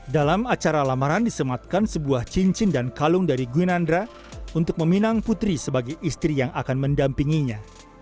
dalam acara lamaran disematkan sebuah cincin dan kalung dari gwinandra untuk meminang putri sebagai istri yang akan mendampinginya